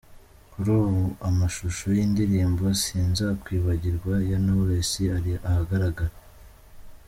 Kuri ubu amashusho y’indirimbo Sinzakwibagirwa ya Knowless ari ahagaragara.